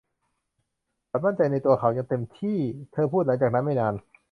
มั่นใจในตัวเขาอย่างเต็มที่ เธอพูดหลังจากนั้นไม่นาน.